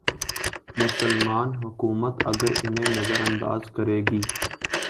مسلماںحکومت اگر انہیں نظر انداز کرے گی۔